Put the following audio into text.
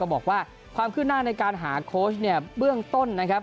บอกว่าความคลุมหน้าในการหาโค้ชเบื้องต้นนะครับ